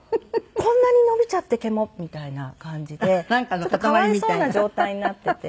「こんなに伸びちゃって毛も」みたいな感じでちょっとかわいそうな状態になっていて。